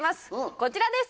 こちらです